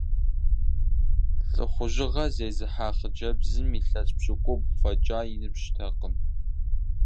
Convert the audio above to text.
Лӏыхъужьыгъэ зезыхьэ хъыджэбзым илъэс пщыкӏубгъу фӏэкӏа и ныбжьтэкъым.